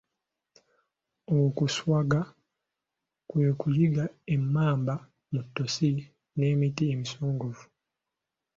Okuswaga kwe kuyigga emmamba mu ttosi n'emiti emisongovu.